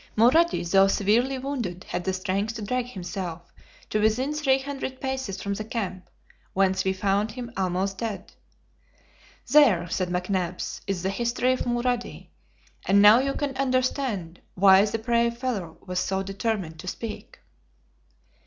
Mulrady, though severely wounded, had the strength to drag himself to within three hundred paces from the camp, whence we found him almost dead. There," said McNabbs, "is the history of Mulrady; and now you can understand why the brave fellow was so determined to speak."